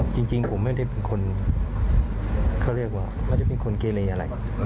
จริงผมไม่ได้เป็นคนเขาเรียกว่าเขาจะเป็นคนเกเลอะไร